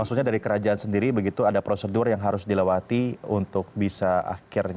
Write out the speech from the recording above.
maksudnya dari kerajaan sendiri begitu ada prosedur yang harus dilewati untuk bisa akhirnya